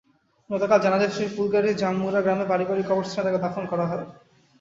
গতকাল জানাজা শেষে ফুলগাজীর জামমুড়া গ্রামে পারিবারিক কবরস্থানে তাঁকে দাফন করা হয়।